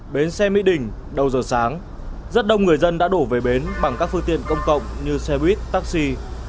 bến xe mỹ đình đầu giờ sáng rất đông người dân đã đổ về bến bằng các phương tiện công cộng như xe buýt taxi